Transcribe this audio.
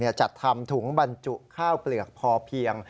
จัดทำถุงบรรจุข้าวเปลือกพอเพียง